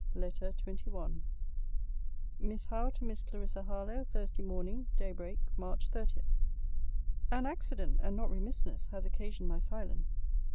LETTER XXI MISS HOWE, TO MISS CLARISSA HARLOWE THURSDAY MORNING, DAY BREAK, MARCH 30. An accident, and not remissness, has occasioned my silence.